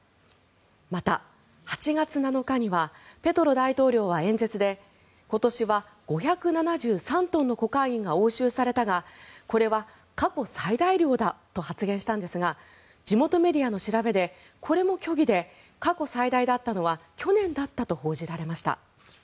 また、８月７日にはペトロ大統領は演説で今年は５７３トンのコカインが押収されたがこれは過去最大量だと発言したんですが地元メディアの調べでこれも虚偽で過去最大だったのは去年だったと報じられました。